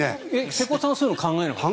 瀬古さんはそういうの考えないんですか？